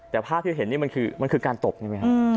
แต่ภาพที่เห็นนี่มันคือมันคือการตบใช่ไหมครับ